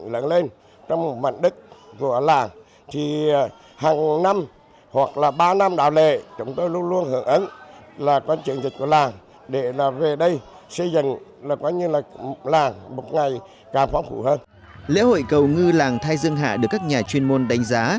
lễ hội cầu ngư làng thay dương hạ được các nhà chuyên môn đánh giá